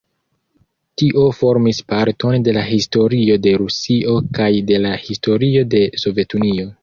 Tio formis parton de la historio de Rusio kaj de la historio de Sovetunio.